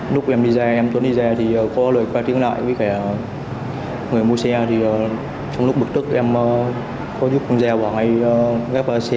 lúc em đi ra em tuấn đi ra thì có lời qua tiếng lại với cả người mua xe thì trong lúc bực tức em có giúp gieo vào ngay ghép xe